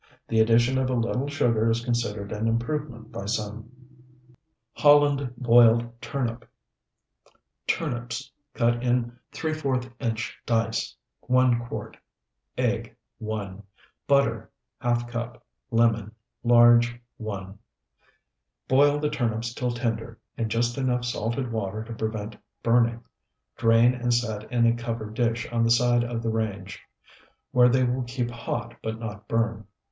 The addition of a little sugar is considered an improvement by some. HOLLAND BOILED TURNIP Turnips, cut in ¾ inch dice, 1 quart. Egg, 1. Butter, ½ cup. Lemon, large, 1. Boil the turnips till tender in just enough salted water to prevent burning; drain and set in a covered dish on the side of the range, where they will keep hot but not burn.